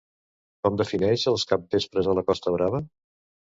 Com defineix els capvespres a la costa brava?